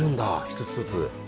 一つ一つ。